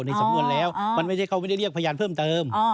ในสำนวนแล้วมันไม่ใช่เขาไม่ได้เรียกพยานเพิ่มเติม